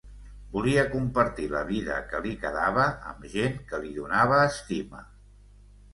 Volia compartir la vida que li quedava amb gent que li donava estima...